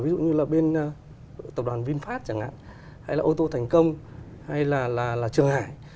ví dụ như là bên tập đoàn vinfast chẳng hạn hay là ô tô thành công hay là trường hải